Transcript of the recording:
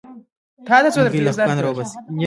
ملګری له خفګانه راوباسي